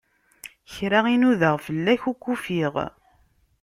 Kra i nudaɣ fell-ak, ur k-ufiɣ.